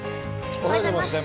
おはようございます。